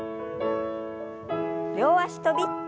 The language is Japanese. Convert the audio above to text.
両脚跳び。